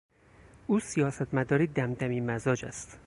او سیاستمداری دمدمی مزاج است.